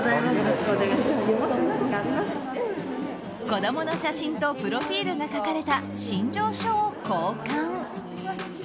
子供の写真とプロフィールが書かれた身上書を交換。